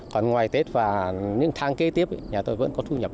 còn ngoài tết và những tháng kế tiếp nhà tôi vẫn có thu nhập